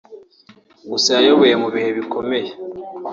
gusa yayoboye mu bihe bikomeye